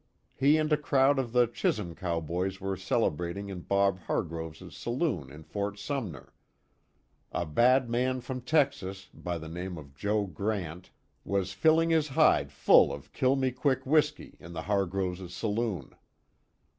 He and a crowd of the Chisum cowboys were celebrating in Bob Hargroves' saloon in Fort Sumner. A bad man from Texas, by the name of Joe Grant, was filling his hide full of "Kill me quick" whiskey, in the Hargroves' saloon.